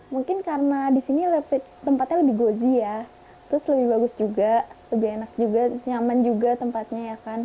mungkin karena di sini tempatnya lebih gozi ya terus lebih bagus juga lebih enak juga nyaman juga tempatnya ya kan